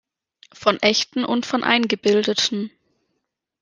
Von echten und von eingebildeten.